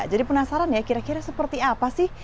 jadi penasaran ya kira kira seperti apa sih